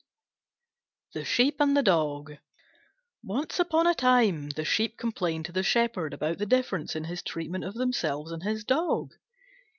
THE SHEEP AND THE DOG Once upon a time the Sheep complained to the shepherd about the difference in his treatment of themselves and his Dog.